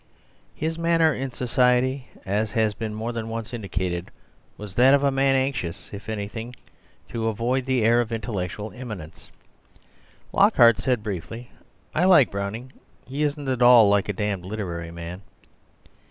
His manner in society, as has been more than once indicated, was that of a man anxious, if anything, to avoid the air of intellectual eminence. Lockhart said briefly, "I like Browning; he isn't at all like a damned literary man."